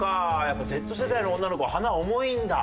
やっぱＺ世代の女の子は花重いんだ。